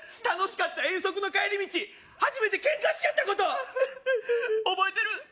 楽しかった遠足の帰り道初めてケンカしちゃったこと覚えてる？